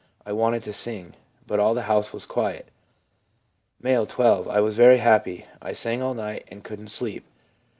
I wanted to sing, but all the house was quiet' M., 12. ' I was very happy. I sang all night, and couldn't sleep.'